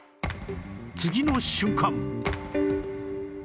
次の瞬間